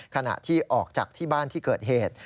ขณะที่ออกจากที่บ้านที่เกิดเหตุ